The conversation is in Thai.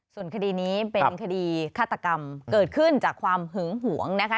ส่วนคดีนี้เป็นคดีฆาตกรรมเกิดขึ้นจากความหึงหวงนะคะ